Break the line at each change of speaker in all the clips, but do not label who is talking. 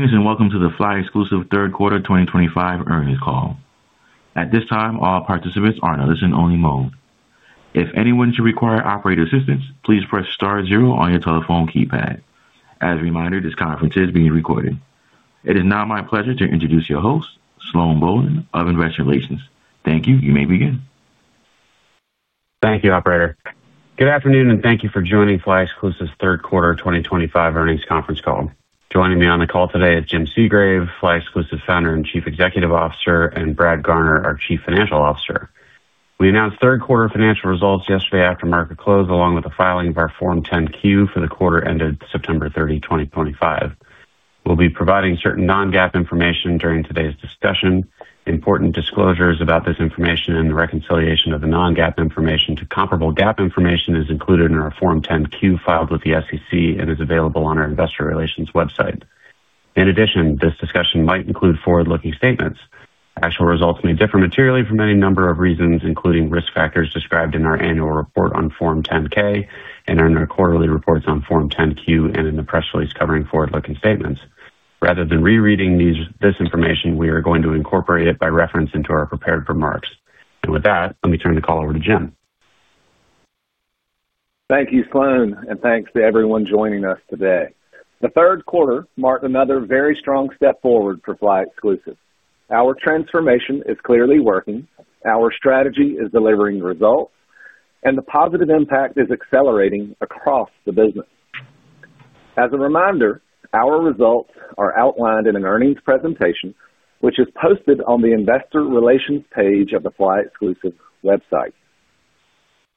Greetings and welcome to the flyExclusive Third Quarter 2025 Earnings Call. At this time, all participants are in a listen-only mode. If anyone should require operator assistance, please press star zero on your telephone keypad. As a reminder, this conference is being recorded. It is now my pleasure to introduce your host, Sloan Bolen, of Investor Relations. Thank you. You may begin.
Thank you, Operator. Good afternoon, and thank you for joining flyExclusive third quarter 2025 earnings conference call. Joining me on the call today is Jim Segrave, flyExclusive Founder and Chief Executive Officer, and Brad Garner, our Chief Financial Officer. We announced third quarter financial results yesterday after market close, along with the filing of our Form 10-Q for the quarter ended September 30, 2025. We'll be providing certain non-GAAP information during today's discussion. Important disclosures about this information and the reconciliation of the non-GAAP information to comparable GAAP information is included in our Form 10-Q filed with the SEC and is available on our Investor Relations website. In addition, this discussion might include forward-looking statements. Actual results may differ materially for any number of reasons, including risk factors described in our annual report on Form 10-K and in our quarterly reports on Form 10-Q and in the press release covering forward-looking statements. Rather than rereading this information, we are going to incorporate it by reference into our prepared remarks. With that, let me turn the call over to Jim.
Thank you, Sloan, and thanks to everyone joining us today. The third quarter marked another very strong step forward for flyExclusive. Our transformation is clearly working. Our strategy is delivering results, and the positive impact is accelerating across the business. As a reminder, our results are outlined in an earnings presentation, which is posted on the Investor Relations page of the flyExclusive website.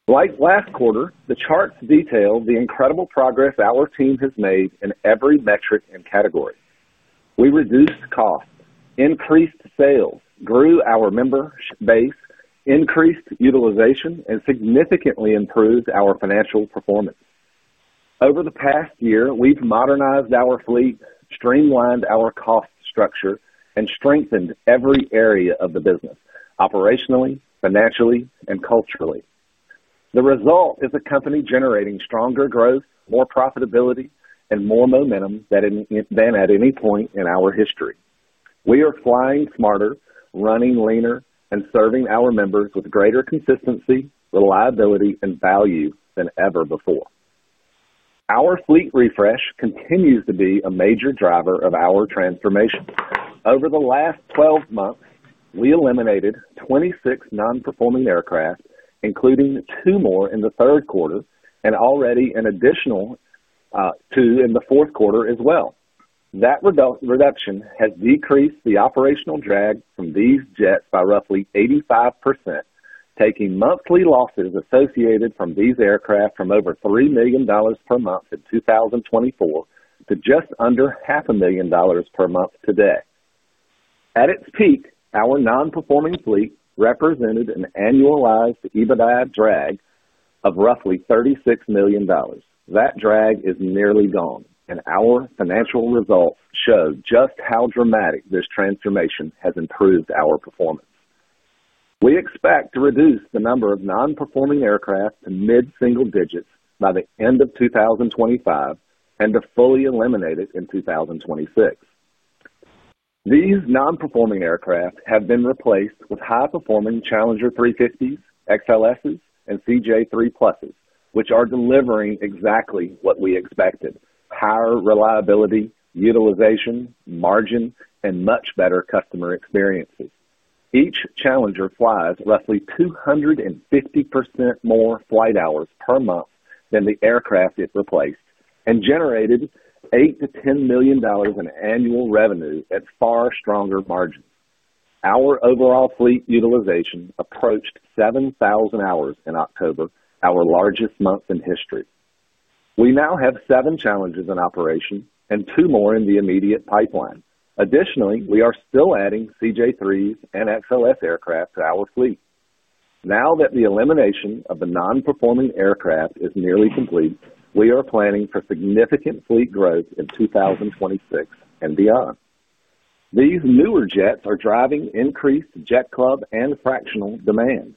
Like last quarter, the charts detail the incredible progress our team has made in every metric and category. We reduced costs, increased sales, grew our membership base, increased utilization, and significantly improved our financial performance. Over the past year, we've modernized our fleet, streamlined our cost structure, and strengthened every area of the business: operationally, financially, and culturally. The result is a company generating stronger growth, more profitability, and more momentum than at any point in our history. We are flying smarter, running leaner, and serving our members with greater consistency, reliability, and value than ever before. Our fleet refresh continues to be a major driver of our transformation. Over the last 12 months, we eliminated 26 non-performing aircraft, including two more in the third quarter and already an additional two in the fourth quarter as well. That reduction has decreased the operational drag from these jets by roughly 85%, taking monthly losses associated from these aircraft from over $3 million per month in 2024 to just under $500,000 per month today. At its peak, our non-performing fleet represented an annualized EBITDA drag of roughly $36 million. That drag is nearly gone, and our financial results show just how dramatic this transformation has improved our performance. We expect to reduce the number of non-performing aircraft to mid-single digits by the end of 2025 and to fully eliminate it in 2026. These non-performing aircraft have been replaced with high-performing Challenger 350s, XLSs, and CJ3 Pluses, which are delivering exactly what we expected: higher reliability, utilization, margin, and much better customer experiences. Each Challenger flies roughly 250% more flight hours per month than the aircraft it replaced and generated $8-$10 million in annual revenue at far stronger margins. Our overall fleet utilization approached 7,000 hours in October, our largest month in history. We now have seven Challengers in operation and two more in the immediate pipeline. Additionally, we are still adding CJ3s and XLS aircraft to our fleet. Now that the elimination of the non-performing aircraft is nearly complete, we are planning for significant fleet growth in 2026 and beyond. These newer jets are driving increased Jet Club and fractional demand.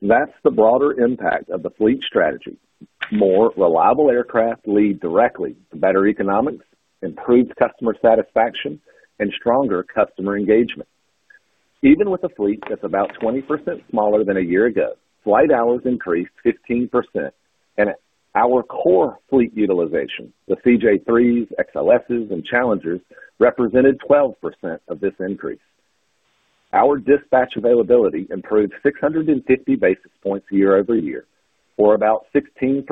That's the broader impact of the fleet strategy. More reliable aircraft lead directly to better economics, improved customer satisfaction, and stronger customer engagement. Even with a fleet that's about 20% smaller than a year ago, flight hours increased 15%, and our core fleet utilization, the CJ3s, XLSs, and Challengers, represented 12% of this increase. Our dispatch availability improved 650 basis points year-over-year for about 16%,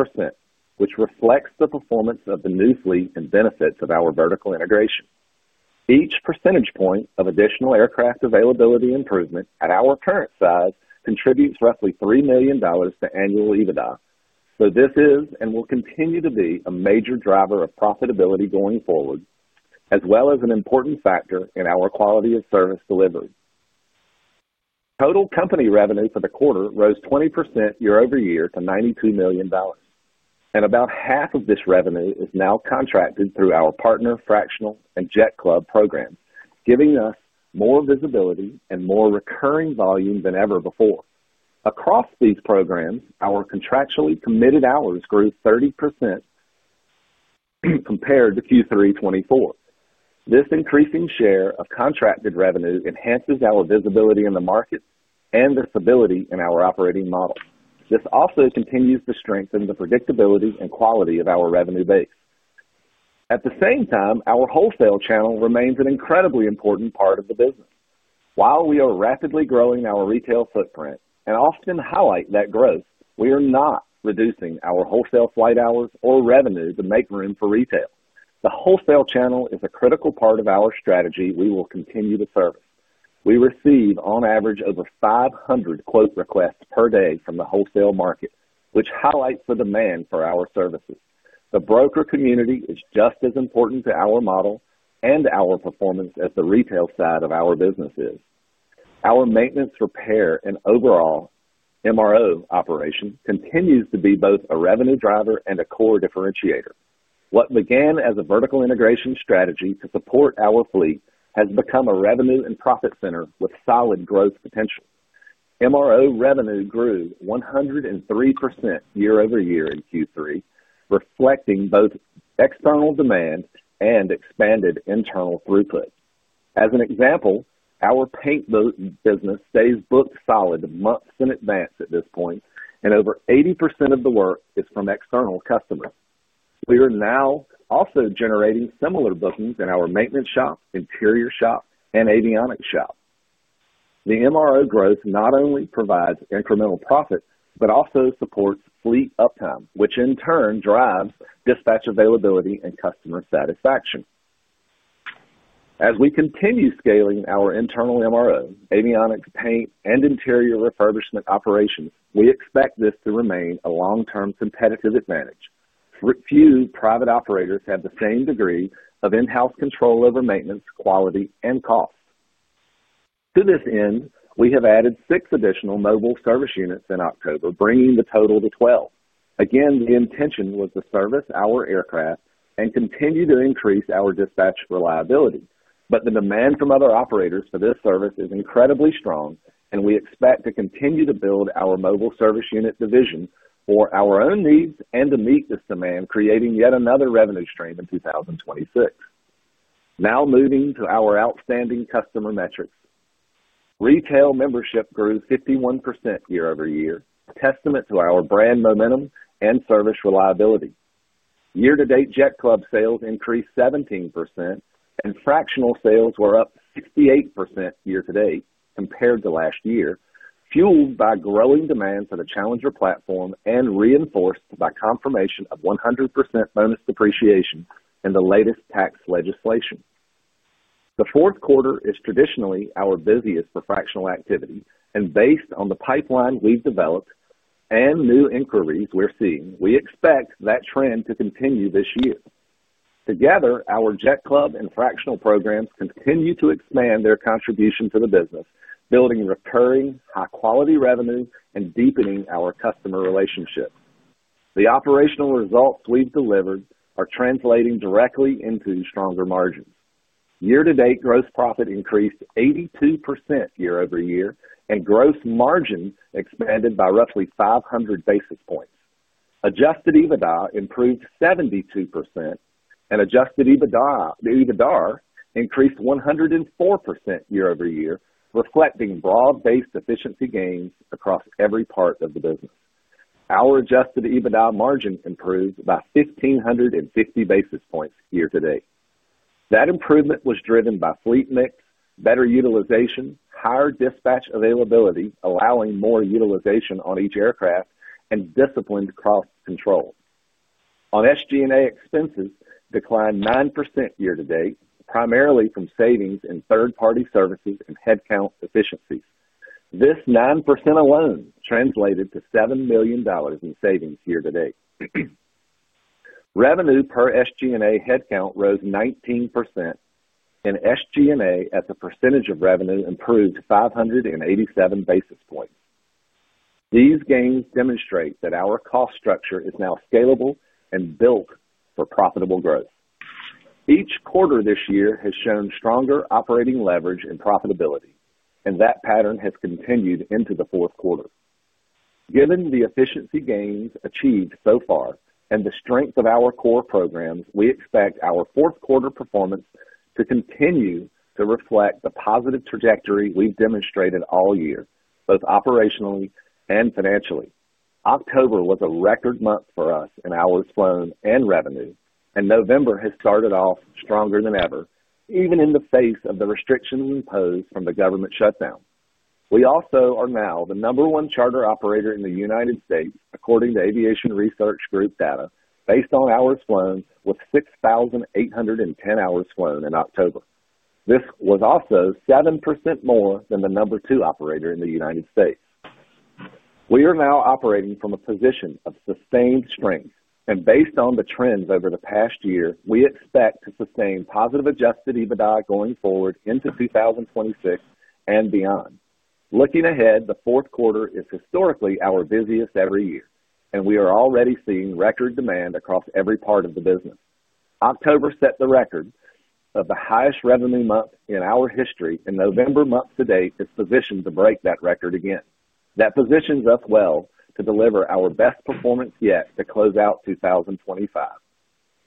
which reflects the performance of the new fleet and benefits of our vertical integration. Each percentage point of additional aircraft availability improvement at our current size contributes roughly $3 million to annual EBITDA. This is and will continue to be a major driver of profitability going forward, as well as an important factor in our quality of service delivery. Total company revenue for the quarter rose 20% year-over-year to $92 million. About half of this revenue is now contracted through our partner fractional and Jet Club programs, giving us more visibility and more recurring volume than ever before. Across these programs, our contractually committed hours grew 30% compared to Q3 2024. This increasing share of contracted revenue enhances our visibility in the market and visibility in our operating model. This also continues to strengthen the predictability and quality of our revenue base. At the same time, our wholesale channel remains an incredibly important part of the business. While we are rapidly growing our retail footprint and often highlight that growth, we are not reducing our wholesale flight hours or revenue to make room for retail. The wholesale channel is a critical part of our strategy we will continue to service. We receive on average over 500 quote requests per day from the wholesale market, which highlights the demand for our services. The broker community is just as important to our model and our performance as the retail side of our business is. Our maintenance, repair, and overall MRO operation continues to be both a revenue driver and a core differentiator. What began as a vertical integration strategy to support our fleet has become a revenue and profit center with solid growth potential. MRO revenue grew 103% year-over-year in Q3, reflecting both external demand and expanded internal throughput. As an example, our paint boat business stays booked solid months in advance at this point, and over 80% of the work is from external customers. We are now also generating similar bookings in our maintenance shop, interior shop, and avionics shop. The MRO growth not only provides incremental profit but also supports fleet uptime, which in turn drives dispatch availability and customer satisfaction. As we continue scaling our internal MRO, avionics, paint, and interior refurbishment operations, we expect this to remain a long-term competitive advantage. Few private operators have the same degree of in-house control over maintenance, quality, and cost. To this end, we have added six additional mobile service units in October, bringing the total to 12. Again, the intention was to service our aircraft and continue to increase our dispatch reliability. The demand from other operators for this service is incredibly strong, and we expect to continue to build our mobile service unit division for our own needs and to meet this demand, creating yet another revenue stream in 2026. Now moving to our outstanding customer metrics. Retail membership grew 51% year-over-year, a testament to our brand momentum and service reliability. Year-to-date Jet Club sales increased 17%, and fractional sales were up 68% year-to-date compared to last year, fueled by growing demands for the Challenger platform and reinforced by confirmation of 100% bonus depreciation in the latest tax legislation. The fourth quarter is traditionally our busiest for fractional activity, and based on the pipeline we've developed and new inquiries we're seeing, we expect that trend to continue this year. Together, our Jet Club and fractional programs continue to expand their contribution to the business, building recurring high-quality revenue and deepening our customer relationship. The operational results we've delivered are translating directly into stronger margins. Year-to-date gross profit increased 82% year-over year, and gross margin expanded by roughly 500 basis points. Adjusted EBITDA improved 72%, and adjusted EBITDA increased 104% year-over-year, reflecting broad-based efficiency gains across every part of the business. Our adjusted EBITDA margin improved by 1,550 basis points year-to-date. That improvement was driven by fleet mix, better utilization, higher dispatch availability, allowing more utilization on each aircraft, and disciplined cost-control. On SG&A expenses, it declined 9% year-to-date, primarily from savings in third-party services and headcount efficiencies. This 9% alone translated to $7 million in savings year-to-date. Revenue per SG&A headcount rose 19%, and SG&A as a percentage of revenue improved 587 basis points. These gains demonstrate that our cost structure is now scalable and built for profitable growth. Each quarter this year has shown stronger operating leverage and profitability, and that pattern has continued into the fourth quarter. Given the efficiency gains achieved so far and the strength of our core programs, we expect our fourth quarter performance to continue to reflect the positive trajectory we've demonstrated all year, both operationally and financially. October was a record month for us in our Sloan and revenue, and November has started off stronger than ever, even in the face of the restrictions imposed from the government shutdown. We also are now the number one charter operator in the United States, according to Aviation Research Group data, based on our Sloan with 6,810 hours Sloan in October. This was also 7% more than the number two operator in the United States. We are now operating from a position of sustained strength, and based on the trends over the past year, we expect to sustain positive adjusted EBITDA going forward into 2026 and beyond. Looking ahead, the fourth quarter is historically our busiest every year, and we are already seeing record demand across every part of the business. October set the record of the highest revenue month in our history, and November month to date is positioned to break that record again. That positions us well to deliver our best performance yet to close out 2025.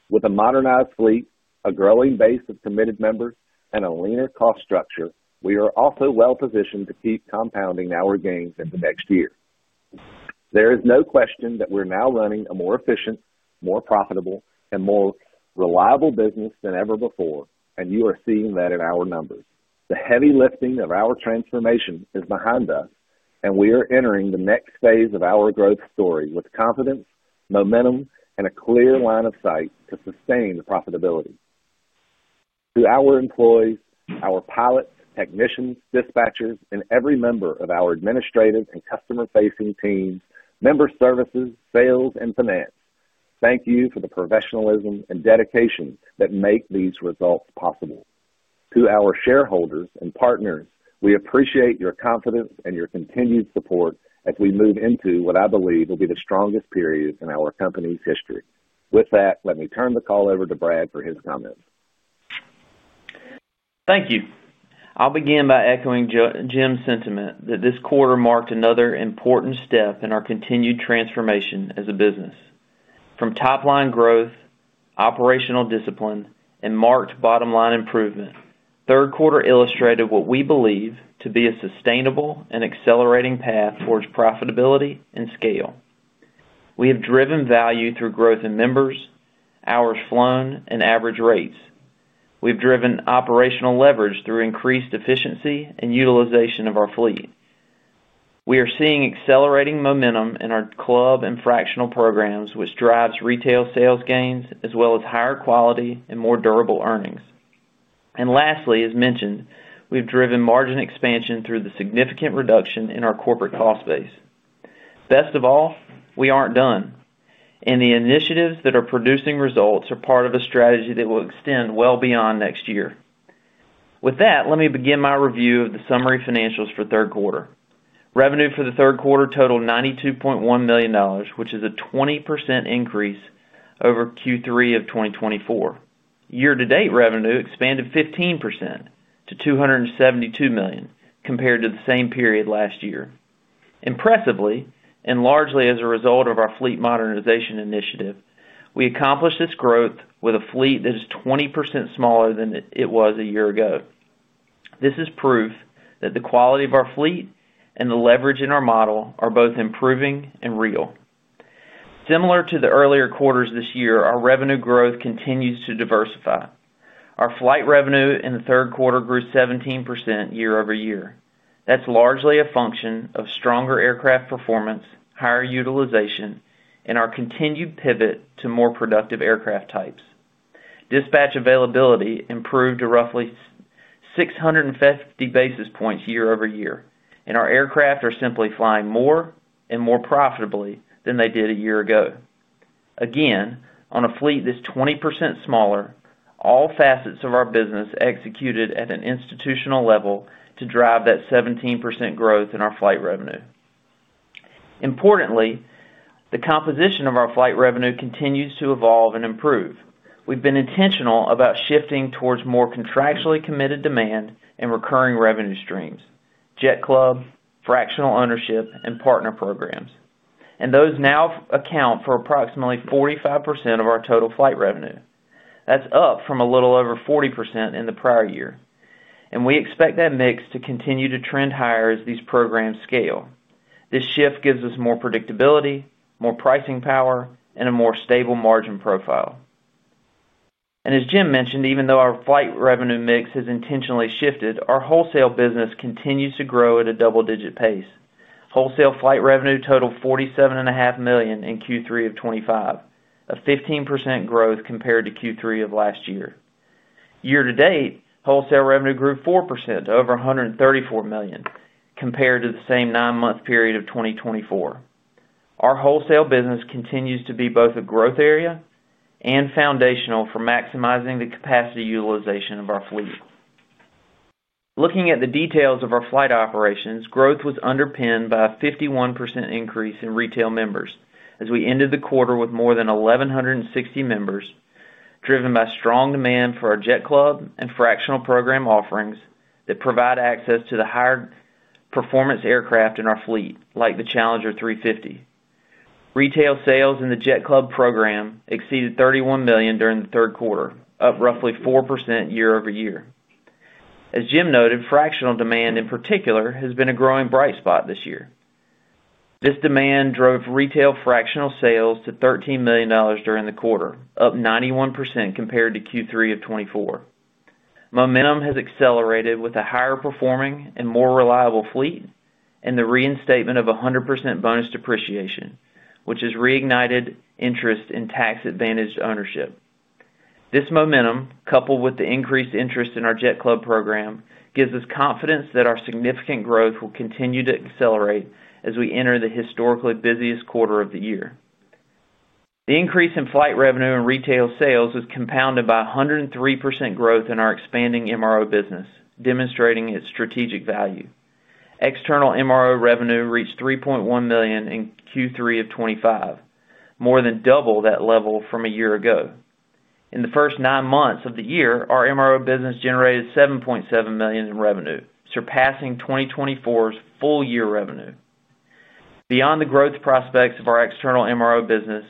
With a modernized fleet, a growing base of committed members, and a leaner cost structure, we are also well positioned to keep compounding our gains into next year. There is no question that we're now running a more efficient, more profitable, and more reliable business than ever before, and you are seeing that in our numbers. The heavy lifting of our transformation is behind us, and we are entering the next phase of our growth story with confidence, momentum, and a clear line of sight to sustain the profitability. To our employees, our pilots, technicians, dispatchers, and every member of our administrative and customer-facing team, member services, sales, and finance, thank you for the professionalism and dedication that make these results possible. To our shareholders and partners, we appreciate your confidence and your continued support as we move into what I believe will be the strongest period in our company's history. With that, let me turn the call over to Brad for his comments.
Thank you. I'll begin by echoing Jim's sentiment that this quarter marked another important step in our continued transformation as a business. From top-line growth, operational discipline, and marked bottom-line improvement, third quarter illustrated what we believe to be a sustainable and accelerating path towards profitability and scale. We have driven value through growth in members, our Sloan, and average rates. We've driven operational leverage through increased efficiency and utilization of our fleet. We are seeing accelerating momentum in our club and fractional programs, which drives retail sales gains as well as higher quality and more durable earnings. Lastly, as mentioned, we've driven margin expansion through the significant reduction in our corporate cost base. Best of all, we aren't done, and the initiatives that are producing results are part of a strategy that will extend well beyond next year. With that, let me begin my review of the summary financials for third quarter. Revenue for the third quarter totaled $92.1 million, which is a 20% increase over Q3 of 2024. Year-to-date revenue expanded 15% to $272 million compared to the same period last year. Impressively, and largely as a result of our fleet modernization initiative, we accomplished this growth with a fleet that is 20% smaller than it was a year ago. This is proof that the quality of our fleet and the leverage in our model are both improving and real. Similar to the earlier quarters this year, our revenue growth continues to diversify. Our flight revenue in the third quarter grew 17% year-over-year. That's largely a function of stronger aircraft performance, higher utilization, and our continued pivot to more productive aircraft types. Dispatch availability improved to roughly 650 basis points year-over-year, and our aircraft are simply flying more and more profitably than they did a year ago. Again, on a fleet that's 20% smaller, all facets of our business executed at an institutional level to drive that 17% growth in our flight revenue. Importantly, the composition of our flight revenue continues to evolve and improve. We've been intentional about shifting towards more contractually committed demand and recurring revenue streams: Jet Club, fractional ownership, and partner programs. Those now account for approximately 45% of our total flight revenue. That's up from a little over 40% in the prior year. We expect that mix to continue to trend higher as these programs scale. This shift gives us more predictability, more pricing power, and a more stable margin profile. As Jim mentioned, even though our flight revenue mix has intentionally shifted, our wholesale business continues to grow at a double-digit pace. Wholesale flight revenue totaled $47.5 million in Q3 of 2025, a 15% growth compared to Q3 of last year. Year-to-date, wholesale revenue grew 4% to over $134 million compared to the same nine-month period of 2024. Our wholesale business continues to be both a growth area and foundational for maximizing the capacity utilization of our fleet. Looking at the details of our flight operations, growth was underpinned by a 51% increase in retail members as we ended the quarter with more than 1,160 members, driven by strong demand for our Jet Club and fractional program offerings that provide access to the higher performance aircraft in our fleet, like the Challenger 350. Retail sales in the Jet Club program exceeded $31 million during the third quarter, up roughly 4% year-over-year. As Jim noted, fractional demand in particular has been a growing bright spot this year. This demand drove retail fractional sales to $13 million during the quarter, up 91% compared to Q3 of 2024. Momentum has accelerated with a higher-performing and more reliable fleet and the reinstatement of 100% bonus depreciation, which has reignited interest in tax-advantaged ownership. This momentum, coupled with the increased interest in our Jet Club program, gives us confidence that our significant growth will continue to accelerate as we enter the historically busiest quarter of the year. The increase in flight revenue and retail sales was compounded by 103% growth in our expanding MRO business, demonstrating its strategic value. External MRO revenue reached $3.1 million in Q3 of 2025, more than double that level from a year ago. In the first nine months of the year, our MRO business generated $7.7 million in revenue, surpassing 2024's full year revenue. Beyond the growth prospects of our external MRO business,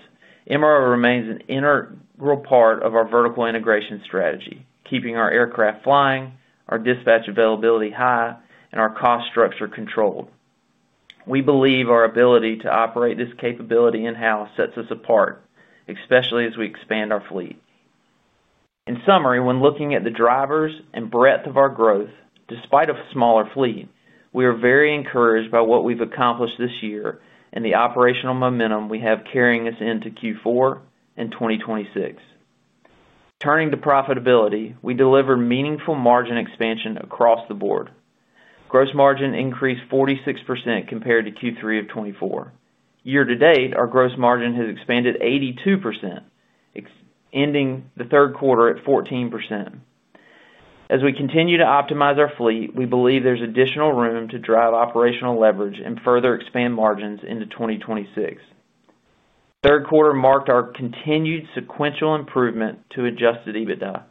MRO remains an integral part of our vertical integration strategy, keeping our aircraft flying, our dispatch availability high, and our cost structure controlled. We believe our ability to operate this capability in-house sets us apart, especially as we expand our fleet. In summary, when looking at the drivers and breadth of our growth, despite a smaller fleet, we are very encouraged by what we've accomplished this year and the operational momentum we have carrying us into Q4 and 2026. Turning to profitability, we deliver meaningful margin expansion across the board. Gross margin increased 46% compared to Q3 of 2024. Year-to-date, our gross margin has expanded 82%, ending the third quarter at 14%. As we continue to optimize our fleet, we believe there's additional room to drive operational leverage and further expand margins into 2026. Third quarter marked our continued sequential improvement to adjusted EBITDA.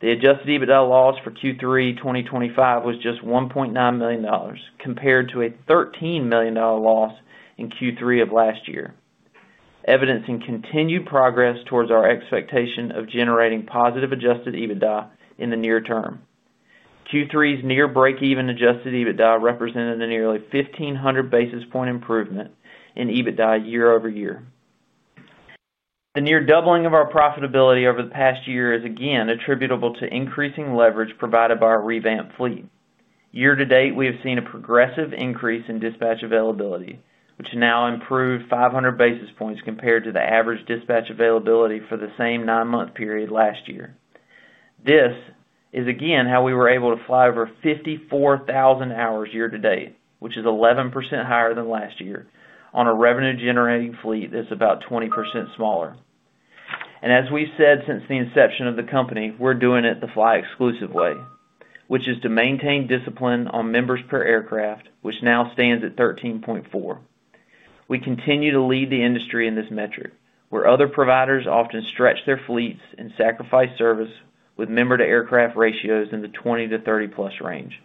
The adjusted EBITDA loss for Q3 2025 was just $1.9 million compared to a $13 million loss in Q3 of last year, evidencing continued progress towards our expectation of generating positive adjusted EBITDA in the near term. Q3's near break-even adjusted EBITDA represented a nearly 1,500 basis point improvement in EBITDA year-over-year. The near doubling of our profitability over the past year is again attributable to increasing leverage provided by our revamped fleet. Year-to-date, we have seen a progressive increase in dispatch availability, which now improved 500 basis points compared to the average dispatch availability for the same nine-month period last year. This is again how we were able to fly over 54,000 hours year-to-date, which is 11% higher than last year on a revenue-generating fleet that's about 20% smaller. As we've said since the inception of the company, we're doing it the flyExclusive way, which is to maintain discipline on members per aircraft, which now stands at 13.4. We continue to lead the industry in this metric, where other providers often stretch their fleets and sacrifice service with member-to-aircraft ratios in the 20-30-plus range.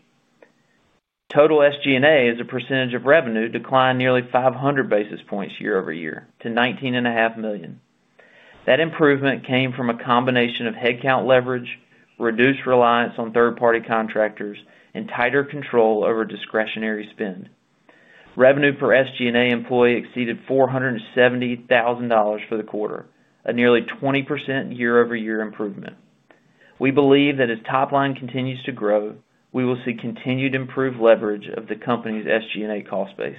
Total SG&A as a percentage of revenue declined nearly 500 basis points year-over-year to $19.5 million. That improvement came from a combination of headcount leverage, reduced reliance on third-party contractors, and tighter control over discretionary spend. Revenue per SG&A employee exceeded $470,000 for the quarter, a nearly 20% year-over-year improvement. We believe that as top-line continues to grow, we will see continued improved leverage of the company's SG&A cost base.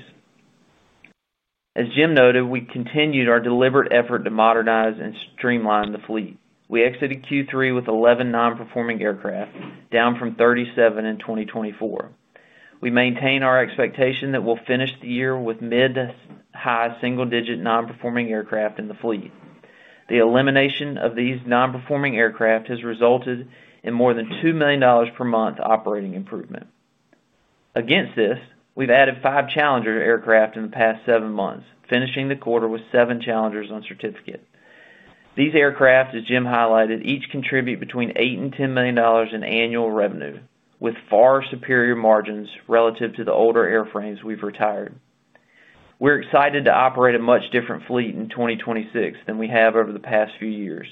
As Jim noted, we continued our deliberate effort to modernize and streamline the fleet. We exited Q3 with 11 non-performing aircraft, down from 37 in 2024. We maintain our expectation that we'll finish the year with mid to high single-digit non-performing aircraft in the fleet. The elimination of these non-performing aircraft has resulted in more than $2 million per month operating improvement. Against this, we've added five Challenger aircraft in the past seven months, finishing the quarter with seven Challengers on certificate. These aircraft, as Jim highlighted, each contribute between $8 million and $10 million in annual revenue, with far superior margins relative to the older airframes we've retired. We're excited to operate a much different fleet in 2026 than we have over the past few years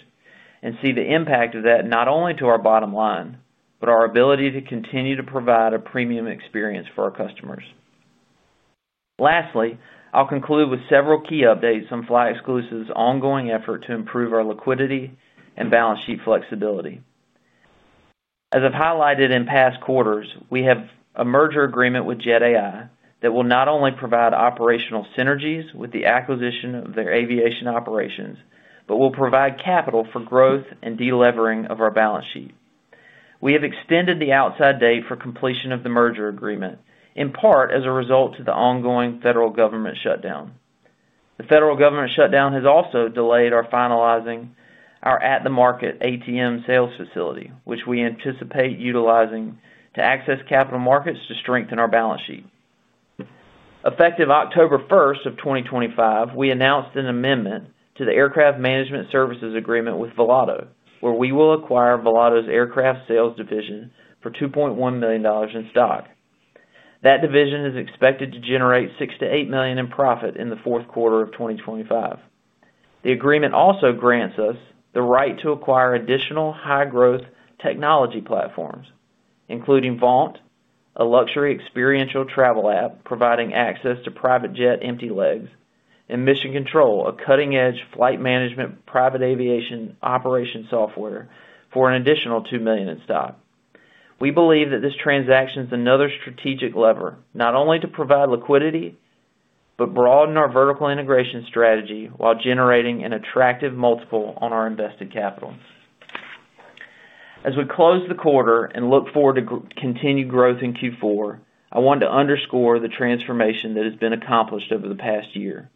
and see the impact of that not only to our bottom line, but our ability to continue to provide a premium experience for our customers. Lastly, I'll conclude with several key updates on flyExclusive's ongoing effort to improve our liquidity and balance sheet flexibility. As I've highlighted in past quarters, we have a merger agreement with JetAI that will not only provide operational synergies with the acquisition of their aviation operations, but will provide capital for growth and delevering of our balance sheet. We have extended the outside date for completion of the merger agreement, in part as a result of the ongoing federal government shutdown. The federal government shutdown has also delayed our finalizing our at-the-market ATM sales facility, which we anticipate utilizing to access capital markets to strengthen our balance sheet. Effective October 1 of 2025, we announced an amendment to the Aircraft Management Services Agreement with Volado, where we will acquire Volado's aircraft sales division for $2.1 million in stock. That division is expected to generate $6 million-$8 million in profit in the fourth quarter of 2025. The agreement also grants us the right to acquire additional high-growth technology platforms, including Vaunt, a luxury experiential travel app providing access to private jet empty legs, and Mission Control, a cutting-edge flight management private aviation operation software for an additional $2 million in stock. We believe that this transaction is another strategic lever, not only to provide liquidity, but broaden our vertical integration strategy while generating an attractive multiple on our invested capital. As we close the quarter and look forward to continued growth in Q4, I want to underscore the transformation that has been accomplished over the past year.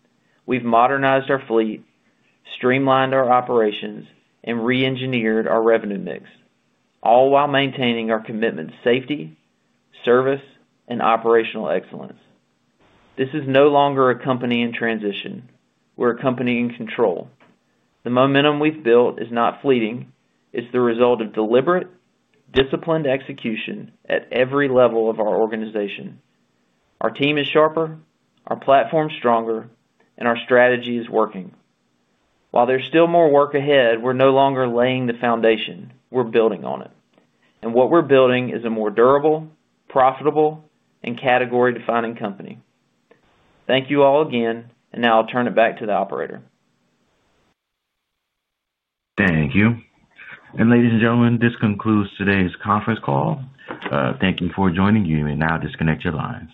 We've modernized our fleet, streamlined our operations, and re-engineered our revenue mix, all while maintaining our commitment to safety, service, and operational excellence. This is no longer a company in transition. We're a company in control. The momentum we've built is not fleeting. It's the result of deliberate, disciplined execution at every level of our organization. Our team is sharper, our platform stronger, and our strategy is working. While there's still more work ahead, we're no longer laying the foundation. We're building on it. What we're building is a more durable, profitable, and category-defining company. Thank you all again, and now I'll turn it back to the operator.
Thank you. Ladies and gentlemen, this concludes today's conference call. Thank you for joining. You may now disconnect your lines.